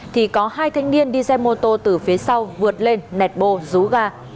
thì có hai thanh niên đi xe mô tô từ phía sau vượt lên nẹt bô rú ga